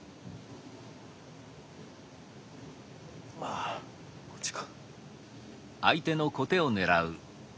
あこっちか。